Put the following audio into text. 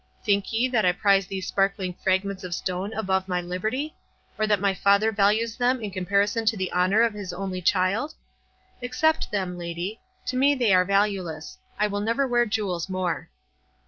Think ye that I prize these sparkling fragments of stone above my liberty? or that my father values them in comparison to the honour of his only child? Accept them, lady—to me they are valueless. I will never wear jewels more."